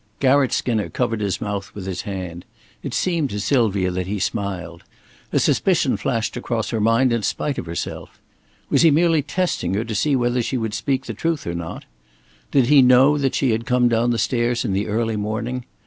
Garratt Skinner covered his mouth with his hand. It seemed to Sylvia that he smiled. A suspicion flashed across her mind, in spite of herself. Was he merely testing her to see whether she would speak the truth or not? Did he know that she had come down the stairs in the early morning?